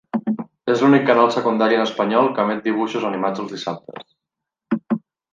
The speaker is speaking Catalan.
És l'únic canal secundari en espanyol que emet dibuixos animats els dissabtes.